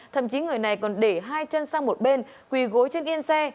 thậm chí người này còn để hai chân sang một bên quỳ gối trên yên xe